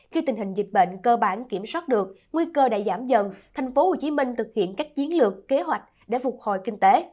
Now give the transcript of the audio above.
khi tình hình dịch bệnh cơ bản kiểm soát được nguy cơ đã giảm dần tp hcm thực hiện các chiến lược kế hoạch để phục hồi kinh tế